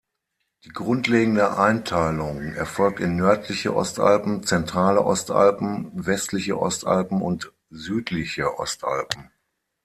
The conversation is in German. Die grundlegende Einteilung erfolgt in "Nördliche Ostalpen, Zentrale Ostalpen, Westliche Ostalpen," und "Südliche Ostalpen.